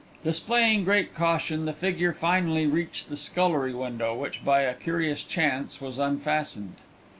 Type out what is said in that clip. Displaying great caution, the figure finally reached the scullery window, which by a curious chance was unfastened.